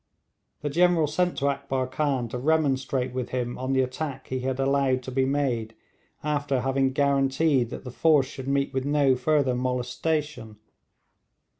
The General sent to Akbar Khan to remonstrate with him on the attack he had allowed to be made after having guaranteed that the force should meet with no further molestation.